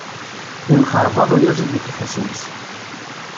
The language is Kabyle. Yenxerbaḍ uyaziḍ deg ifassen-is.